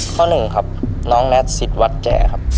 ข้อหนึ่งครับน้องแนทศิษย์วัดแจครับ